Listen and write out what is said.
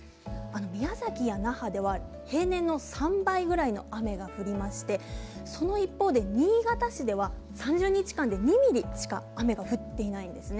宮崎や那覇では平年の３倍くらいの雨が降りましてその一方で、新潟市では３０日間で２ミリしか雨が降っていないんですね。